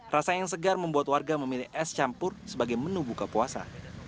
rasa yang segar membuat warga memilih es campur sebagai menu buka puasa